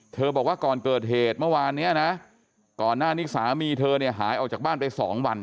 บอกว่าก่อนเกิดเหตุเมื่อวานนี้นะก่อนหน้านี้สามีเธอเนี่ยหายออกจากบ้านไป๒วัน